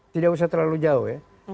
tidak usah terlalu jauh ya